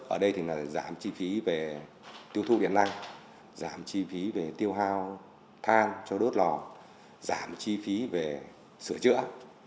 ở đây thì là giảm chi phí về tiêu thụ điện năng giảm chi phí về tiêu hao than cho đốt lò giảm chi phí về sửa chữa